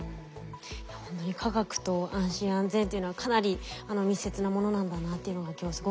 いやほんとに科学と安心安全っていうのはかなり密接なものなんだなっていうのが今日すごく分かりました。